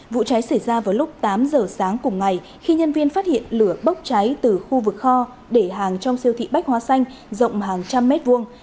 vụ cháy xảy ra vào lúc tám giờ sáng cùng ngày khi nhân viên phát hiện lửa bốc cháy từ khu vực kho để hàng trong siêu thị bách hóa xanh rộng hàng trăm mét vuông